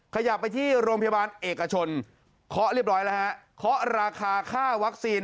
ขยับไปที่โรงพยาบาลเอกชนเคาะเรียบร้อยแล้วฮะเคาะราคาค่าวัคซีน